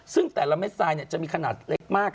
ซึ่งแต่ละเม็ดทรายจะมีขนาดเล็กมาก